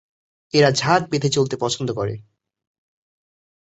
এরা ঝাঁক বেঁধে চলতে পছন্দ করে।